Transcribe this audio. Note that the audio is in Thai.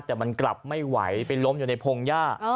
แต่มันกลับไม่ไหวไปล้มอยู่ในพงหญ้า